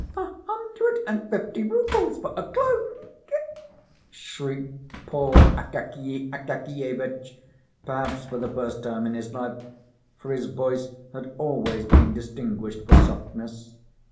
"A hundred and fifty rubles for a cloak!" shrieked poor Akakiy Akakievitch, perhaps for the first time in his life, for his voice had always been distinguished for softness.